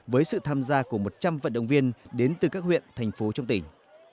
với sự tham gia của một trăm linh vận động viên đến từ các huyện thành phố trong tỉnh